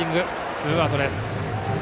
ツーアウトです。